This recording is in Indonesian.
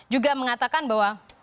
juga mengatakan bahwa